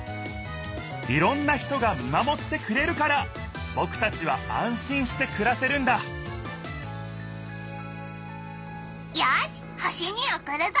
いろんな人が見守ってくれるからぼくたちは安心してくらせるんだよし星におくるぞ！